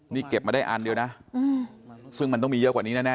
นี่เก็บมาได้อันเดียวนะซึ่งมันต้องมีเยอะกว่านี้แน่